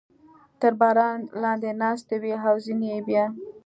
تر باران لاندې ناستې وې او ځینې یې بیا.